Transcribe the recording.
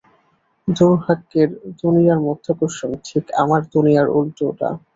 দুর্ভাগ্যের দুনিয়ার মাধ্যাকর্ষণ ঠিক আমাদের দুনিয়ার উল্টোটা।